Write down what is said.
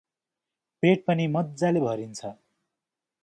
पेट पनि मज्जाले भरिन्छ ।